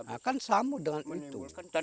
akan sama dengan itu